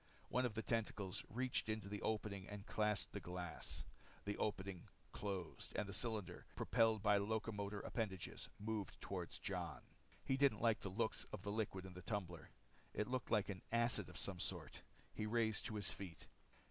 One of the tentacles reached into the opening and clasped the glass. The opening closed and the cylinder, propelled by locomotor appendages, moved toward Jon. He didn't like the looks of the liquid in the tumbler. It looked like an acid of some sort. He raised to his feet.